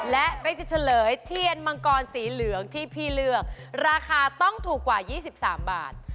และเป๊กจะเฉลยเทียนมังกรสีเหลืองที่พี่เลือกราคาต้องถูกกว่า๒๓บาท